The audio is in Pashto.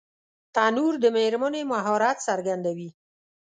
تنور د مېرمنې مهارت څرګندوي